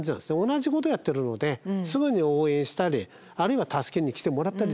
同じことやってるのですぐに応援したりあるいは助けに来てもらったりできる。